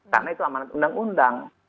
karena itu amanat undang undang